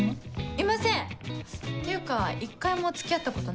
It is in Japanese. いませんっていうか一回も付き合ったことないです。